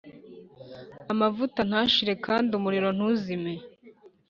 Amavuta ntashire kandi umuriro ntuzime